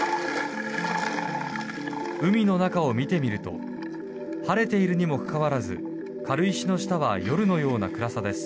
海の中を見てみると晴れているにもかかわらず軽石の下は夜のような暗さです。